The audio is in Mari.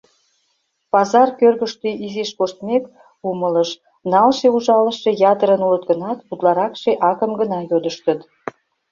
Пазар кӧргыштӧ изиш коштмек, умылыш: налше-ужалыше ятырын улыт гынат, утларакше акым гына йодыштыт.